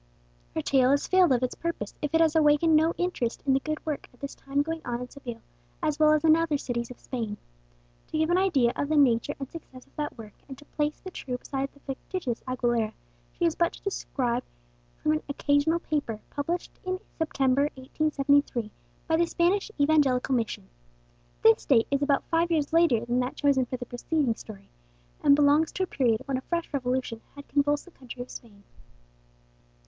Her tale has failed of its purpose if it has awakened no interest in the good work at this time going on in Seville, as well as in other cities of Spain. To give an idea of the nature and success of that work, and to place the true beside the fictitious Aguilera, she has but to transcribe from an "Occasional Paper," published in September 1873, by the Spanish Evangelical Mission. This date is about five years later than that chosen for the preceding story, and belongs to a period when a fresh revolution had convulsed the country of Spain.